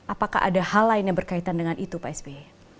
apakah ada hal lain yang berkaitan dengan itu pak sby